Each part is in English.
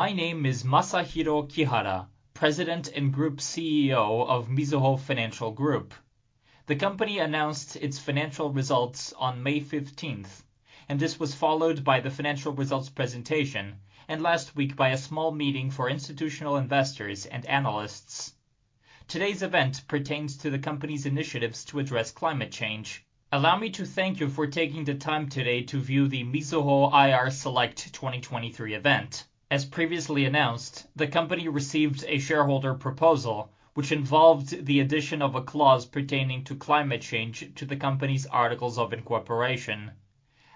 My name is Masahiro Kihara, President and Group CEO of Mizuho Financial Group. The company announced its financial results on May 15th, and this was followed by the financial results presentation, and last week by a small meeting for institutional investors and analysts. Today's event pertains to the company's initiatives to address climate change. Allow me to thank you for taking the time today to view the Mizuho IR Select 2023 event. As previously announced, the company received a shareholder proposal, which involved the addition of a clause pertaining to climate change to the company's articles of incorporation.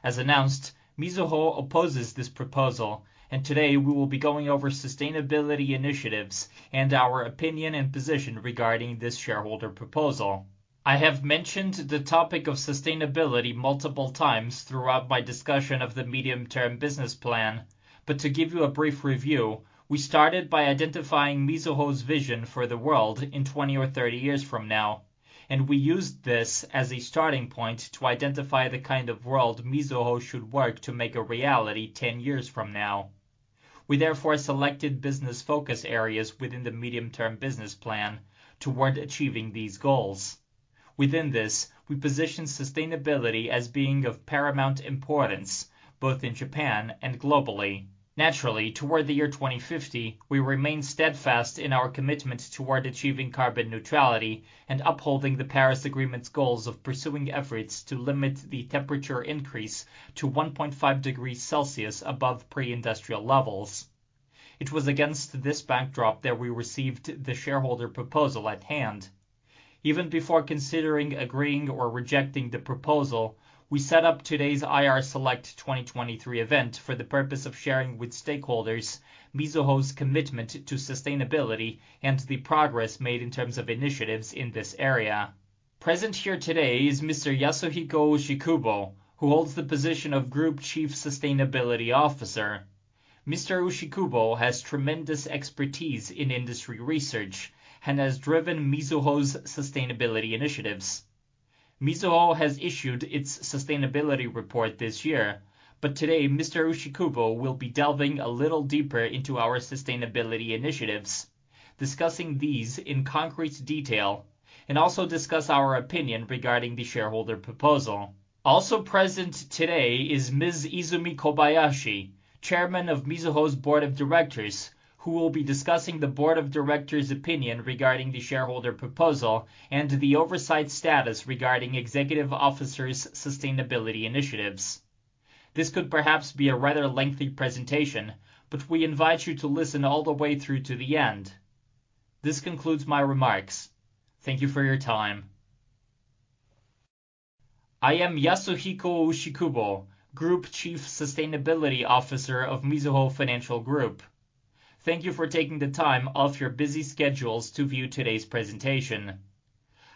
As announced, Mizuho opposes this proposal, and today we will be going over sustainability initiatives and our opinion and position regarding this shareholder proposal. I have mentioned the topic of sustainability multiple times throughout my discussion of the medium-term business plan. To give you a brief review, we started by identifying Mizuho's vision for the world in 20 or 30 years from now, and we used this as a starting point to identify the kind of world Mizuho should work to make a reality 10 years from now. We therefore selected business focus areas within the medium-term business plan toward achieving these goals. Within this, we position sustainability as being of paramount importance, both in Japan and globally. Naturally, toward the year 2050, we remain steadfast in our commitment toward achieving carbon neutrality and upholding the Paris Agreement's goals of pursuing efforts to limit the temperature increase to 1.5 degrees Celsius above pre-industrial levels. It was against this backdrop that we received the shareholder proposal at hand. Even before considering, agreeing, or rejecting the proposal, we set up today's IR Select 2023 event for the purpose of sharing with stakeholders Mizuho's commitment to sustainability and the progress made in terms of initiatives in this area. Present here today is Mr. Yasuhiko Ushikubo, who holds the position of Group Chief Sustainability Officer. Mr. Ushikubo has tremendous expertise in industry research and has driven Mizuho's sustainability initiatives. Mizuho has issued its sustainability report this year, but today, Mr. Ushikubo will be delving a little deeper into our sustainability initiatives, discussing these in concrete detail, and also discuss our opinion regarding the shareholder proposal. Also present today is Ms. Izumi Kobayashi, Chairman of Mizuho's Board of Directors, who will be discussing the board of directors' opinion regarding the shareholder proposal and the oversight status regarding executive officers' sustainability initiatives. This could perhaps be a rather lengthy presentation, but we invite you to listen all the way through to the end. This concludes my remarks. Thank you for your time. I am Yasuhiko Ushikubo, Group Chief Sustainability Officer of Mizuho Financial Group. Thank you for taking the time off your busy schedules to view today's presentation.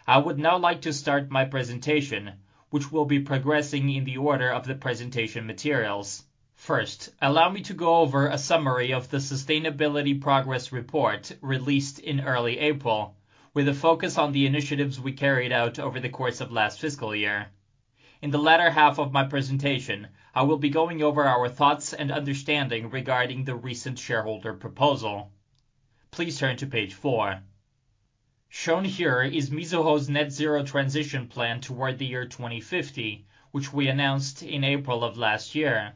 I would now like to start my presentation, which will be progressing in the order of the presentation materials. First, allow me to go over a summary of the sustainability progress report released in early April, with a focus on the initiatives we carried out over the course of last fiscal year. In the latter half of my presentation, I will be going over our thoughts and understanding regarding the recent shareholder proposal. Please turn to page four. Shown here is Mizuho's Net Zero Transition Plan toward the year 2050, which we announced in April of last year.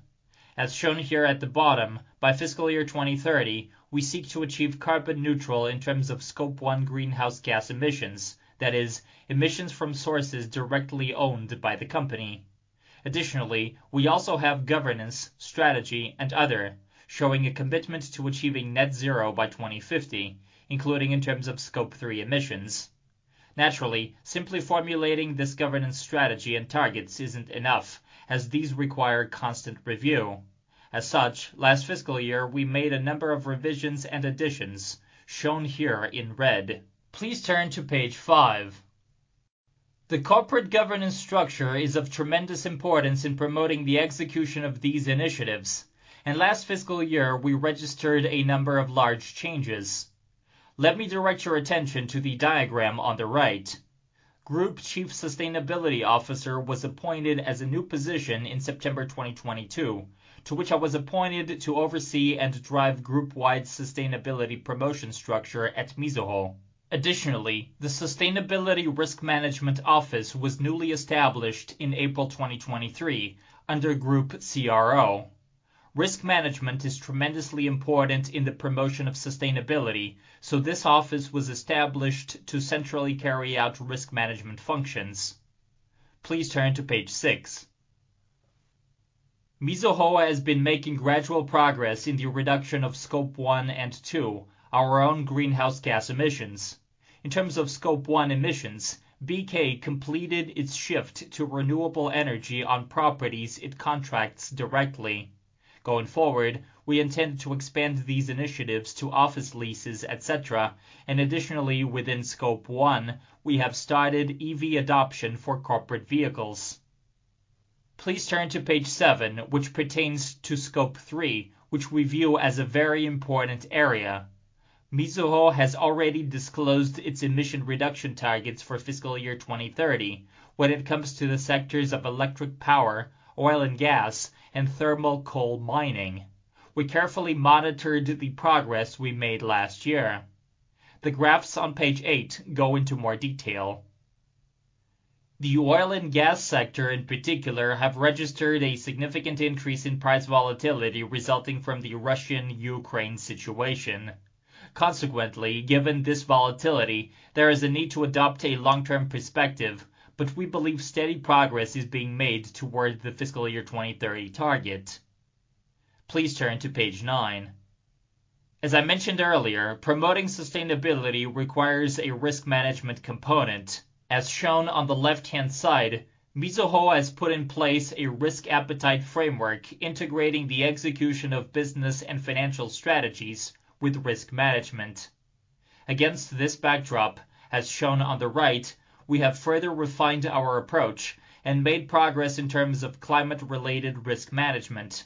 Shown here at the bottom, by fiscal year 2030, we seek to achieve carbon neutral in terms of Scope 1 GHG emissions, that is, emissions from sources directly owned by the company. We also have governance, strategy, and other, showing a commitment to achieving Net Zero by 2050, including in terms of Scope 3 emissions. Simply formulating this governance strategy and targets isn't enough, as these require constant review. Last fiscal year, we made a number of revisions and additions shown here in red. Please turn to page five. The corporate governance structure is of tremendous importance in promoting the execution of these initiatives. Last fiscal year, we registered a number of large changes. Let me direct your attention to the diagram on the right. Group Chief Sustainability Officer was appointed as a new position in September 2022, to which I was appointed to oversee and drive group-wide sustainability promotion structure at Mizuho. Additionally, the Sustainability Risk Management Office was newly established in April 2023 under Group CRO. Risk management is tremendously important in the promotion of sustainability, so this office was established to centrally carry out risk management functions. Please turn to page six. Mizuho has been making gradual progress in the reduction of Scope 1 and 2, our own greenhouse gas emissions. In terms of Scope 1 emissions, BK completed its shift to renewable energy on properties it contracts directly. Going forward, we intend to expand these initiatives to office leases, et cetera, and additionally, within Scope 1, we have started EV adoption for corporate vehicles. Please turn to page seven, which pertains to Scope 3, which we view as a very important area. Mizuho has already disclosed its emission reduction targets for fiscal year 2030 when it comes to the sectors of electric power, oil and gas, and thermal coal mining. We carefully monitored the progress we made last year. The graphs on page eight go into more detail. The oil and gas sector, in particular, have registered a significant increase in price volatility resulting from the Russian-Ukraine situation. Consequently, given this volatility, there is a need to adopt a long-term perspective, but we believe steady progress is being made towards the fiscal year 2030 target. Please turn to page nine. As I mentioned earlier, promoting sustainability requires a risk management component. As shown on the left-hand side, Mizuho has put in place a risk appetite framework, integrating the execution of business and financial strategies with risk management. Against this backdrop, as shown on the right, we have further refined our approach and made progress in terms of climate-related risk management.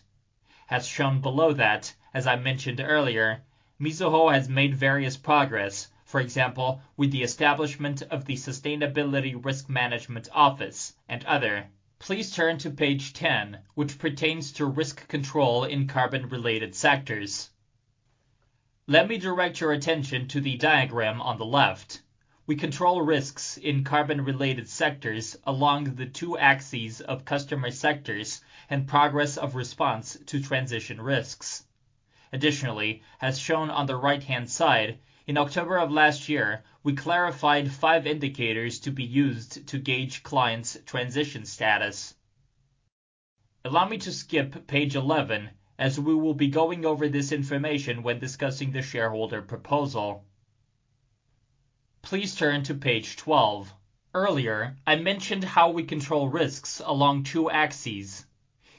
As shown below that, as I mentioned earlier, Mizuho has made various progress, for example, with the establishment of the Sustainability Risk Management Office and other. Please turn to page 10, which pertains to risk control in carbon-related sectors. Let me direct your attention to the diagram on the left. We control risks in carbon-related sectors along the two axes of customer sectors and progress of response to transition risks. Additionally, as shown on the right-hand side, in October of last year, we clarified five indicators to be used to gauge clients' transition status. Allow me to skip page 11, as we will be going over this information when discussing the shareholder proposal. Please turn to page 12. Earlier, I mentioned how we control risks along two axes.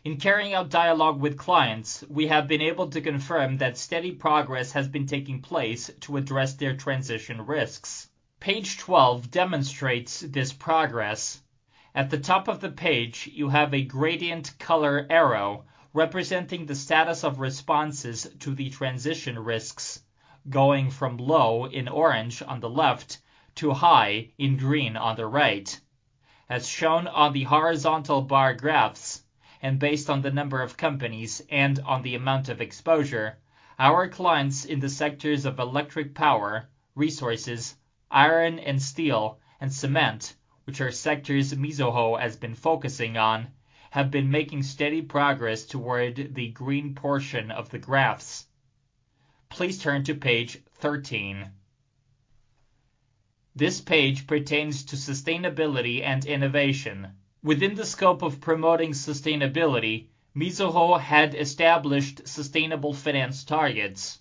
In carrying out dialogue with clients, we have been able to confirm that steady progress has been taking place to address their transition risks. Page 12 demonstrates this progress. At the top of the page, you have a gradient color arrow representing the status of responses to the transition risks, going from low in orange on the left to high in green on the right. As shown on the horizontal bar graphs, and based on the number of companies and on the amount of exposure, our clients in the sectors of electric power, resources, iron and steel, and cement, which are sectors Mizuho has been focusing on, have been making steady progress toward the green portion of the graphs. Please turn to page 13. This page pertains to sustainability and innovation. Within the scope of promoting sustainability, Mizuho had established sustainable finance targets.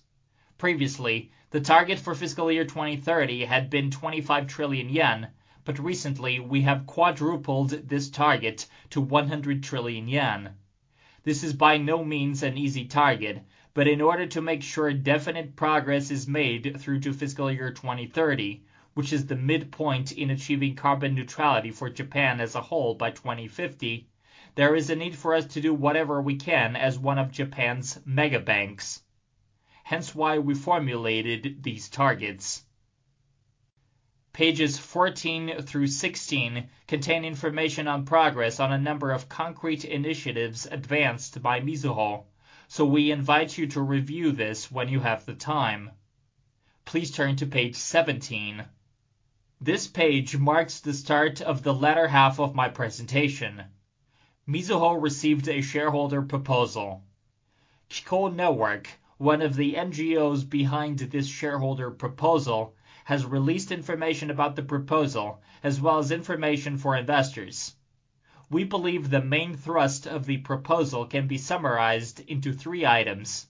Previously, the target for fiscal year 2030 had been 25 trillion yen, but recently, we have quadrupled this target to 100 trillion yen. This is by no means an easy target, but in order to make sure definite progress is made through to fiscal year 2030, which is the midpoint in achieving carbon neutrality for Japan as a whole by 2050, there is a need for us to do whatever we can as one of Japan's mega banks. We formulated these targets. Pages 14 through 16 contain information on progress on a number of concrete initiatives advanced by Mizuho. We invite you to review this when you have the time. Please turn to page 17. This page marks the start of the latter half of my presentation. Mizuho received a shareholder proposal. Kiko Network, one of the NGOs behind this shareholder proposal, has released information about the proposal as well as information for investors. We believe the main thrust of the proposal can be summarized into three items.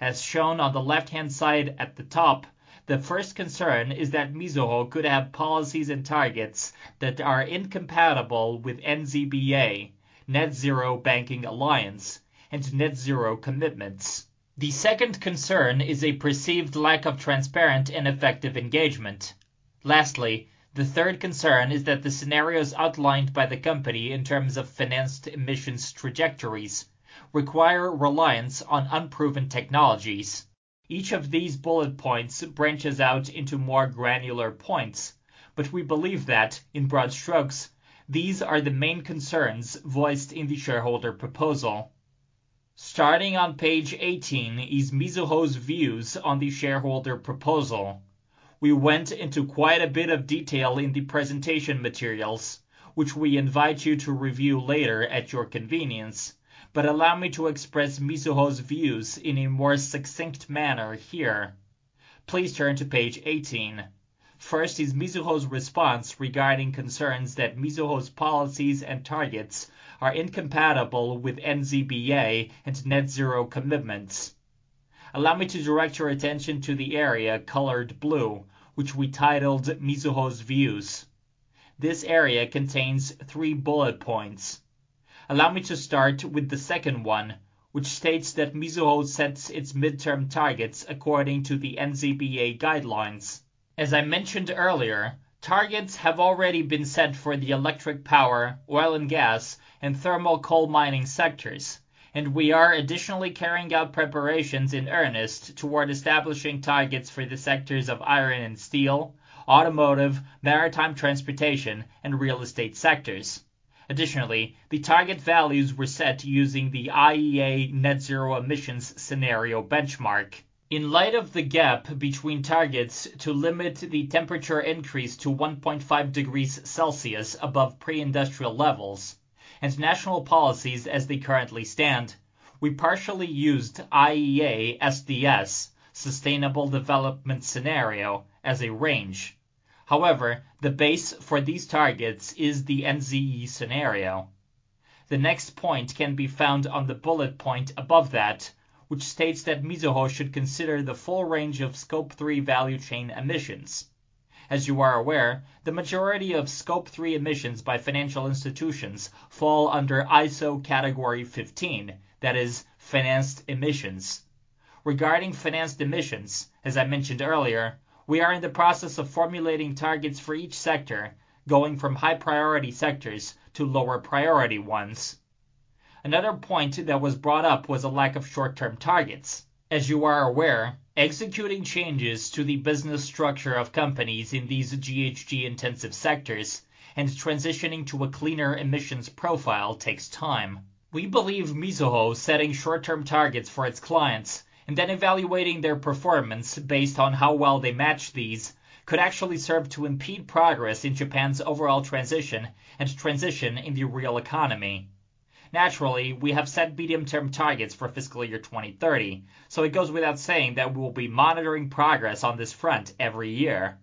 As shown on the left-hand side at the top, the first concern is that Mizuho could have policies and targets that are incompatible with NZBA, Net Zero Banking Alliance, and net zero commitments. The second concern is a perceived lack of transparent and effective engagement. Lastly, the third concern is that the scenarios outlined by the company in terms of financed emissions trajectories require reliance on unproven technologies. Each of these bullet points branches out into more granular points, but we believe that, in broad strokes, these are the main concerns voiced in the shareholder proposal. Starting on page 18 is Mizuho's views on the shareholder proposal. We went into quite a bit of detail in the presentation materials, which we invite you to review later at your convenience, but allow me to express Mizuho's views in a more succinct manner here. Please turn to page 18. First is Mizuho's response regarding concerns that Mizuho's policies and targets are incompatible with NZBA and net zero commitments. Allow me to direct your attention to the area colored blue, which we titled "Mizuho's Views." This area contains three bullet points. Allow me to start with the second one, which states that Mizuho sets its midterm targets according to the NZBA guidelines. As I mentioned earlier, targets have already been set for the electric power, oil and gas, and thermal coal mining sectors, and we are additionally carrying out preparations in earnest toward establishing targets for the sectors of iron and steel, automotive, maritime transportation, and real estate sectors. Additionally, the target values were set using the IEA Net Zero Emissions scenario benchmark. In light of the gap between targets to limit the temperature increase to 1.5 degrees Celsius above pre-industrial levels and national policies as they currently stand, we partially used IEA SDS, Sustainable Development Scenario, as a range. However, the base for these targets is the NZE scenario. The next point can be found on the bullet point above that, which states that Mizuho should consider the full range of Scope 3 value chain emissions. As you are aware, the majority of Scope 3 emissions by financial institutions fall under ISO Category 15, that is, financed emissions. Regarding financed emissions, as I mentioned earlier, we are in the process of formulating targets for each sector, going from high-priority sectors to lower-priority ones. Another point that was brought up was a lack of short-term targets. As you are aware, executing changes to the business structure of companies in these GHG-intensive sectors and transitioning to a cleaner emissions profile takes time. We believe Mizuho setting short-term targets for its clients and then evaluating their performance based on how well they match these, could actually serve to impede progress in Japan's overall transition and transition in the real economy. We have set medium-term targets for fiscal year 2030, so it goes without saying that we will be monitoring progress on this front every year.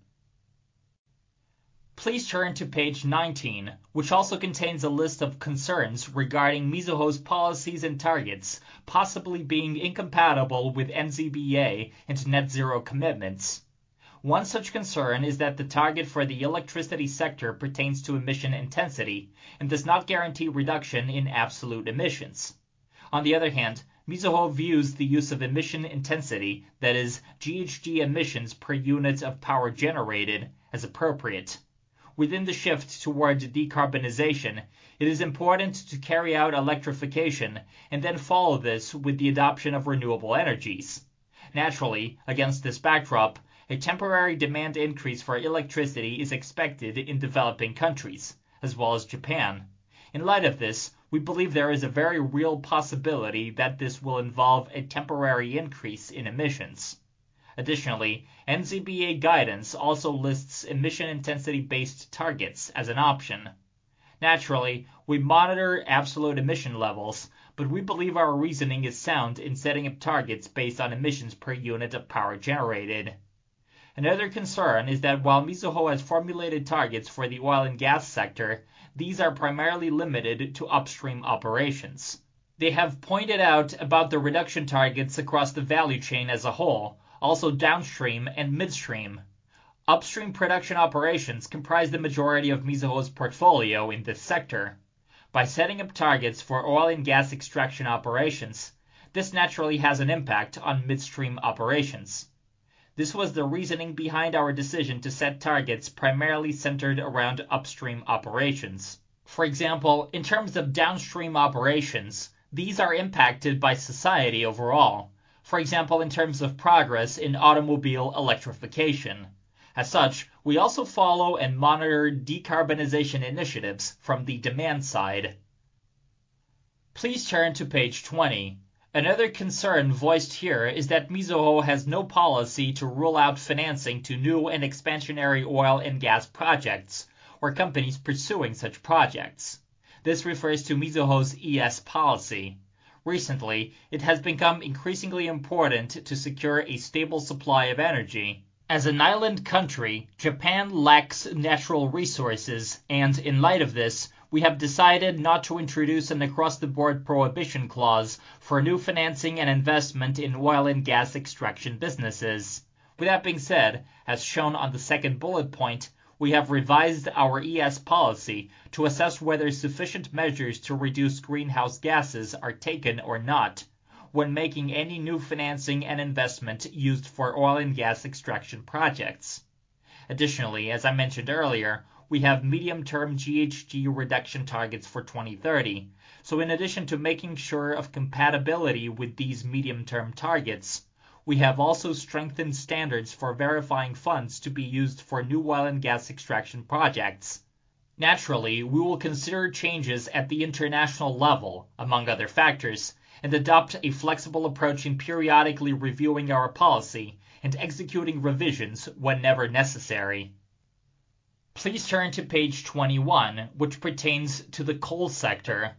Please turn to page 19, which also contains a list of concerns regarding Mizuho's policies and targets, possibly being incompatible with NZBA and net zero commitments. One such concern is that the target for the electricity sector pertains to emission intensity and does not guarantee reduction in absolute emissions. Mizuho views the use of emission intensity, that is, GHG emissions per unit of power generated, as appropriate. Within the shift towards decarbonization, it is important to carry out electrification and then follow this with the adoption of renewable energies. Against this backdrop, a temporary demand increase for electricity is expected in developing countries as well as Japan. In light of this, we believe there is a very real possibility that this will involve a temporary increase in emissions. NZBA guidance also lists emission intensity-based targets as an option. We monitor absolute emission levels, but we believe our reasoning is sound in setting up targets based on emissions per unit of power generated. Another concern is that while Mizuho has formulated targets for the oil and gas sector, these are primarily limited to upstream operations. They have pointed out about the reduction targets across the value chain as a whole, also downstream and midstream. Upstream production operations comprise the majority of Mizuho's portfolio in this sector. By setting up targets for oil and gas extraction operations, this naturally has an impact on midstream operations. This was the reasoning behind our decision to set targets primarily centered around upstream operations. For example, in terms of downstream operations, these are impacted by society overall. For example, in terms of progress in automobile electrification. As such, we also follow and monitor decarbonization initiatives from the demand side. Please turn to page 20. Another concern voiced here is that Mizuho has no policy to rule out financing to new and expansionary oil and gas projects or companies pursuing such projects. This refers to Mizuho's ES Policy. Recently, it has become increasingly important to secure a stable supply of energy. As an island country, Japan lacks natural resources, and in light of this, we have decided not to introduce an across-the-board prohibition clause for new financing and investment in oil and gas extraction businesses. With that being said, as shown on the second bullet point, we have revised our ES Policy to assess whether sufficient measures to reduce greenhouse gases are taken or not when making any new financing and investment used for oil and gas extraction projects. Additionally, as I mentioned earlier, we have medium-term GHG reduction targets for 2030. In addition to making sure of compatibility with these medium-term targets, we have also strengthened standards for verifying funds to be used for new oil and gas extraction projects. Naturally, we will consider changes at the international level, among other factors, and adopt a flexible approach in periodically reviewing our policy and executing revisions whenever necessary. Please turn to page 21, which pertains to the coal sector.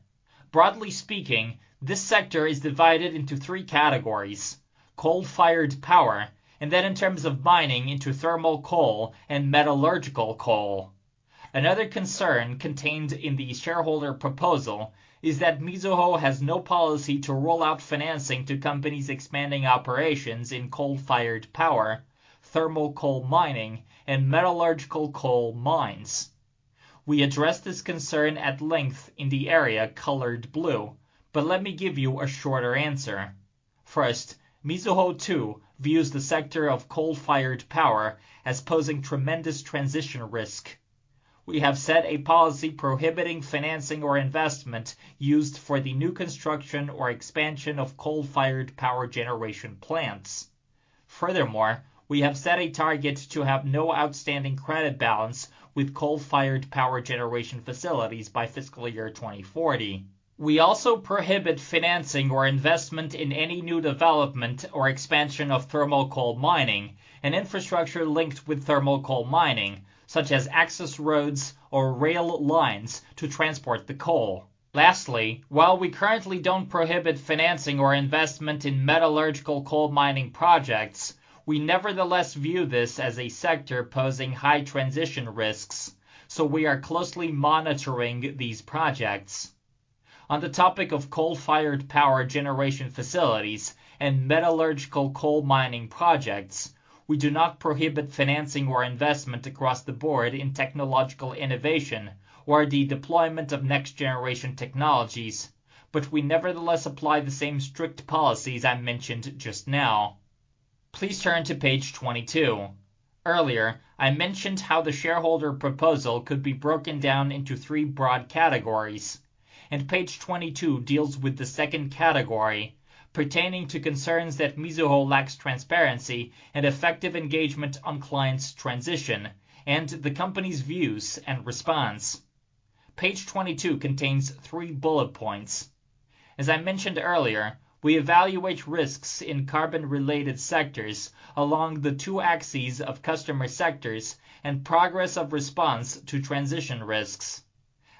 Broadly speaking, this sector is divided into three categories: coal-fired power, and then in terms of mining, into thermal coal and metallurgical coal. Another concern contained in the shareholder proposal is that Mizuho has no policy to rule out financing to companies expanding operations in coal-fired power, thermal coal mining, and metallurgical coal mines. We addressed this concern at length in the area colored blue, but let me give you a shorter answer. First, Mizuho, too, views the sector of coal-fired power as posing tremendous transition risk. We have set a policy prohibiting financing or investment used for the new construction or expansion of coal-fired power generation plants. Furthermore, we have set a target to have no outstanding credit balance with coal-fired power generation facilities by fiscal year 2040. We also prohibit financing or investment in any new development or expansion of thermal coal mining and infrastructure linked with thermal coal mining, such as access roads or rail lines to transport the coal. While we currently don't prohibit financing or investment in metallurgical coal mining projects, we nevertheless view this as a sector posing high transition risks. We are closely monitoring these projects. On the topic of coal-fired power generation facilities and metallurgical coal mining projects, we do not prohibit financing or investment across the board in technological innovation or the deployment of next-generation technologies. We nevertheless apply the same strict policies I mentioned just now. Please turn to page 22. Earlier, I mentioned how the shareholder proposal could be broken down into three broad categories, page 22 deals with the second category, pertaining to concerns that Mizuho lacks transparency and effective engagement on clients' transition and the company's views and response. Page 22 contains three bullet points. As I mentioned earlier, we evaluate risks in carbon-related sectors along the two axes of customer sectors and progress of response to transition risks.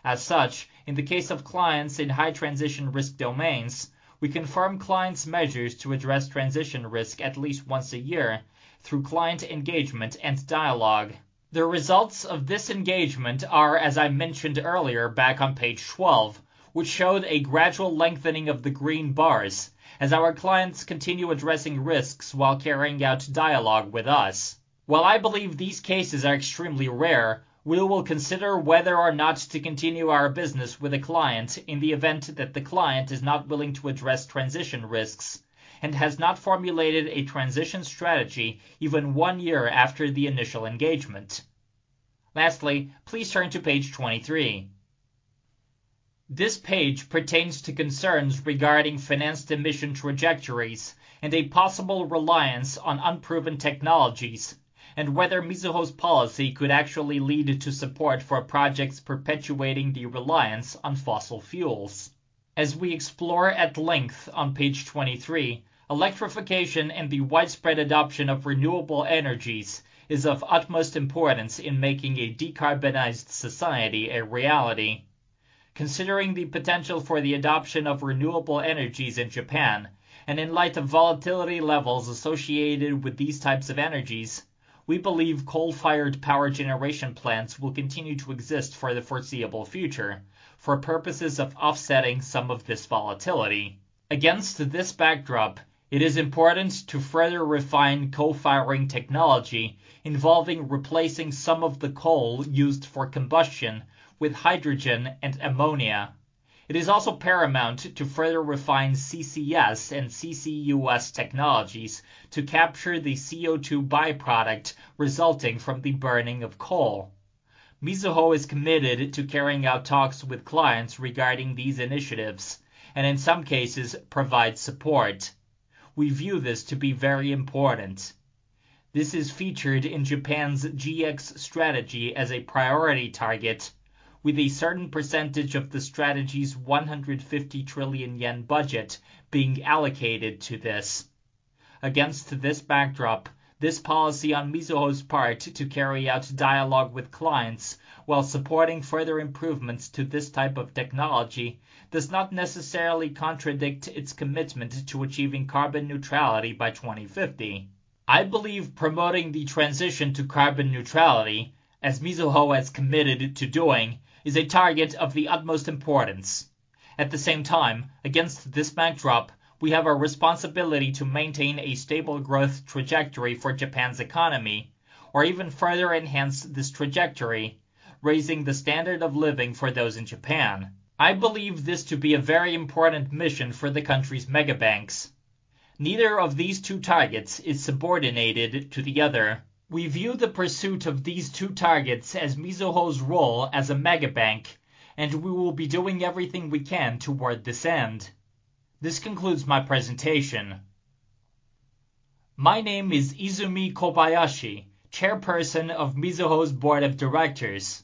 As such, in the case of clients in high transition risk domains, we confirm clients' measures to address transition risk at least once a year through client engagement and dialogue. The results of this engagement are, as I mentioned earlier, back on page 12, which showed a gradual lengthening of the green bars as our clients continue addressing risks while carrying out dialogue with us. While I believe these cases are extremely rare, we will consider whether or not to continue our business with a client in the event that the client is not willing to address transition risks and has not formulated a transition strategy even one year after the initial engagement. Please turn to page 23. This page pertains to concerns regarding financed emission trajectories and a possible reliance on unproven technologies, and whether Mizuho's policy could actually lead to support for projects perpetuating the reliance on fossil fuels. As we explore at length on page 23, electrification and the widespread adoption of renewable energies is of utmost importance in making a decarbonized society a reality. Considering the potential for the adoption of renewable energies in Japan, and in light of volatility levels associated with these types of energies, we believe coal-fired power generation plants will continue to exist for the foreseeable future for purposes of offsetting some of this volatility. Against this backdrop, it is important to further refine co-firing technology involving replacing some of the coal used for combustion with hydrogen and ammonia. It is also paramount to further refine CCS and CCUS technologies to capture the CO₂ byproduct resulting from the burning of coal. Mizuho is committed to carrying out talks with clients regarding these initiatives and, in some cases, provide support. We view this to be very important. This is featured in Japan's GX strategy as a priority target, with a certain percentage of the strategy's 150 trillion yen budget being allocated to this. Against this backdrop, this policy on Mizuho's part to carry out dialogue with clients while supporting further improvements to this type of technology does not necessarily contradict its commitment to achieving carbon neutrality by 2050. I believe promoting the transition to carbon neutrality, as Mizuho has committed to doing, is a target of the utmost importance. At the same time, against this backdrop, we have a responsibility to maintain a stable growth trajectory for Japan's economy or even further enhance this trajectory, raising the standard of living for those in Japan. I believe this to be a very important mission for the country's megabanks. Neither of these two targets is subordinated to the other. We view the pursuit of these two targets as Mizuho's role as a megabank, and we will be doing everything we can toward this end. This concludes my presentation. My name is Izumi Kobayashi, Chairperson of Mizuho's Board of Directors.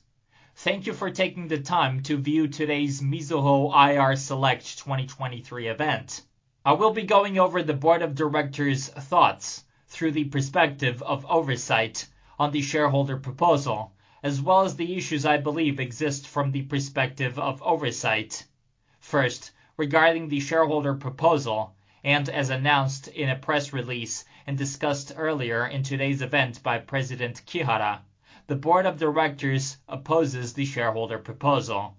Thank you for taking the time to view today's Mizuho IR Select 2023 event. I will be going over the Board of Directors' thoughts through the perspective of oversight on the shareholder proposal, as well as the issues I believe exist from the perspective of oversight. First, regarding the shareholder proposal, and as announced in a press release and discussed earlier in today's event by President Kihara, the Board of Directors opposes the shareholder proposal.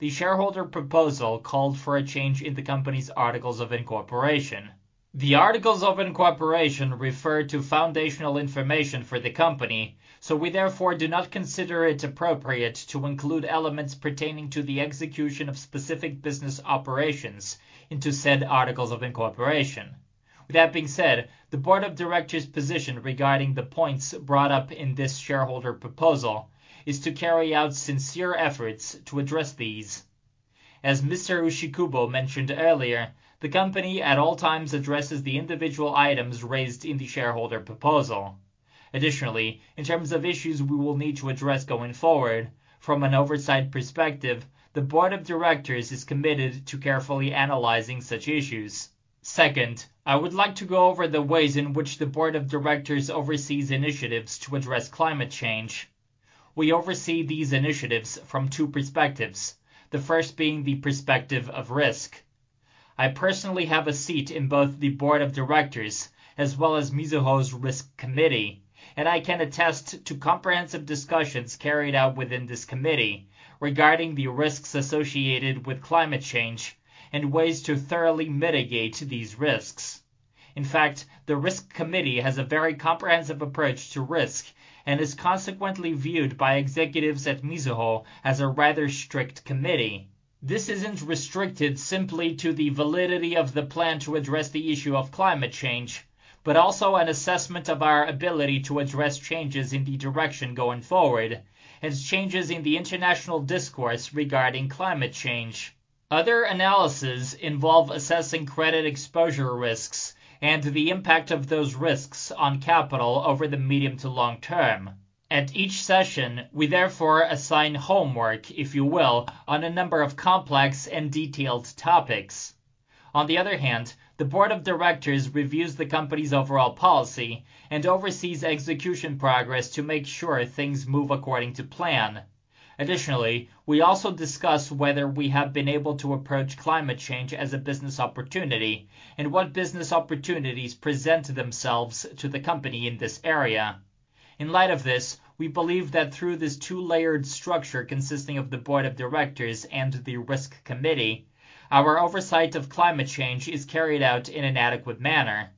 The shareholder proposal called for a change in the company's articles of incorporation. The articles of incorporation refer to foundational information for the company, so we therefore do not consider it appropriate to include elements pertaining to the execution of specific business operations into said articles of incorporation. With that being said, the Board of Directors' position regarding the points brought up in this shareholder proposal is to carry out sincere efforts to address these. As Mr. Ushikubo mentioned earlier, the company at all times addresses the individual items raised in the shareholder proposal. Additionally, in terms of issues we will need to address going forward, from an oversight perspective, the Board of Directors is committed to carefully analyzing such issues. Second, I would like to go over the ways in which the Board of Directors oversees initiatives to address climate change. We oversee these initiatives from two perspectives, the first being the perspective of risk. I personally have a seat in both the board of directors as well as Mizuho's Risk Committee, and I can attest to comprehensive discussions carried out within this committee regarding the risks associated with climate change and ways to thoroughly mitigate these risks. In fact, the Risk Committee has a very comprehensive approach to risk and is consequently viewed by executives at Mizuho as a rather strict committee. This isn't restricted simply to the validity of the plan to address the issue of climate change, but also an assessment of our ability to address changes in the direction going forward and changes in the international discourse regarding climate change. Other analyses involve assessing credit exposure risks and the impact of those risks on capital over the medium to long term. At each session, we therefore assign homework, if you will, on a number of complex and detailed topics. On the other hand, the board of directors reviews the company's overall policy and oversees execution progress to make sure things move according to plan. Additionally, we also discuss whether we have been able to approach climate change as a business opportunity and what business opportunities present themselves to the company in this area. In light of this, we believe that through this two-layered structure consisting of the board of directors and the Risk Committee, our oversight of climate change is carried out in an adequate manner.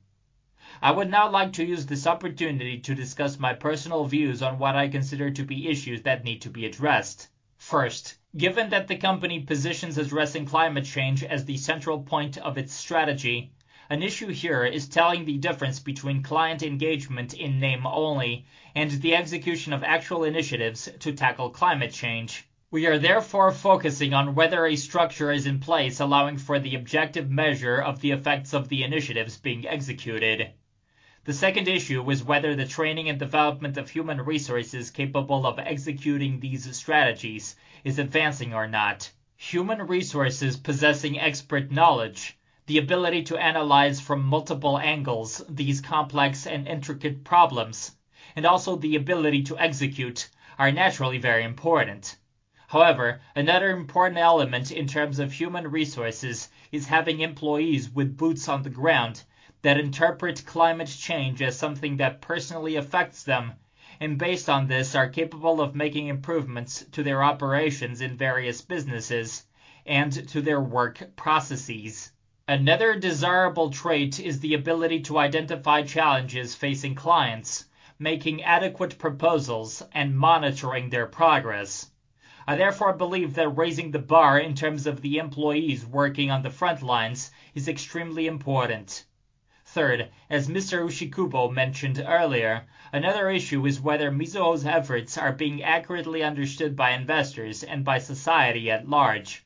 I would now like to use this opportunity to discuss my personal views on what I consider to be issues that need to be addressed. First, given that the company positions addressing climate change as the central point of its strategy, an issue here is telling the difference between client engagement in name only and the execution of actual initiatives to tackle climate change. We are therefore focusing on whether a structure is in place allowing for the objective measure of the effects of the initiatives being executed. The second issue is whether the training and development of human resources capable of executing these strategies is advancing or not. Human resources possessing expert knowledge, the ability to analyze from multiple angles these complex and intricate problems, and also the ability to execute, are naturally very important. However, another important element in terms of human resources is having employees with boots on the ground that interpret climate change as something that personally affects them, and based on this, are capable of making improvements to their operations in various businesses and to their work processes. Another desirable trait is the ability to identify challenges facing clients, making adequate proposals, and monitoring their progress. I therefore believe that raising the bar in terms of the employees working on the front lines is extremely important. Third, as Mr. Ushikubo mentioned earlier, another issue is whether Mizuho's efforts are being accurately understood by investors and by society at large.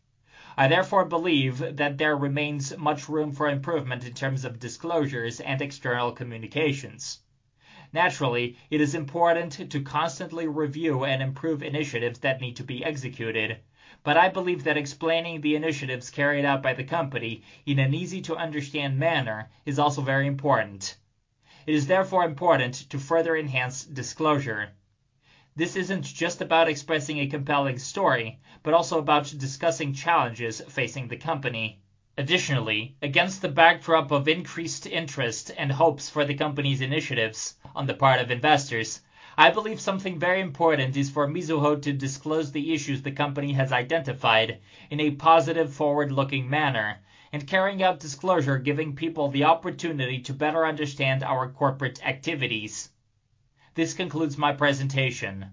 I therefore believe that there remains much room for improvement in terms of disclosures and external communications. Naturally, it is important to constantly review and improve initiatives that need to be executed, but I believe that explaining the initiatives carried out by the company in an easy-to-understand manner is also very important. It is therefore important to further enhance disclosure. This isn't just about expressing a compelling story, but also about discussing challenges facing the company. Additionally, against the backdrop of increased interest and hopes for the company's initiatives on the part of investors, I believe something very important is for Mizuho to disclose the issues the company has identified in a positive, forward-looking manner and carrying out disclosure, giving people the opportunity to better understand our corporate activities. This concludes my presentation.